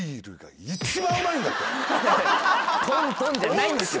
「トントン」じゃないんですよ。